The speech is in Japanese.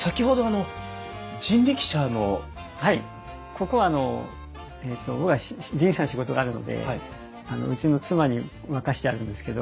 ここはあの僕は人力車の仕事があるのでうちの妻に任せてあるんですけど。